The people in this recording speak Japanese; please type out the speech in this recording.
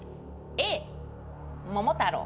Ａ桃太郎。